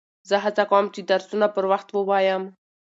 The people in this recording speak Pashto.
زه هڅه کوم، چي درسونه پر وخت ووایم.